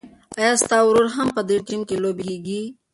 ایا ستا ورور هم په دې ټیم کې لوبېږي؟